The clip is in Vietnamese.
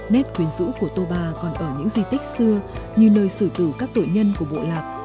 nét quyến rũ của tô bà còn ở những di tích xưa như nơi sử tử các tội nhân của bộ lạc